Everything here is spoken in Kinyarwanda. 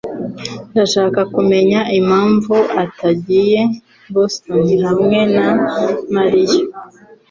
Ndashaka kumenya impamvu atagiye i Boston hamwe na Mariya.